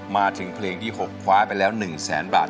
มาถึงเพลงที่๖คว้าไปแล้ว๑แสนบาท